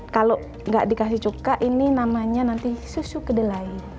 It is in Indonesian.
kalau nggak dikasih cuka ini namanya nanti susu kedelai